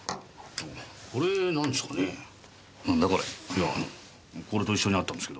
いやこれと一緒にあったんですけど。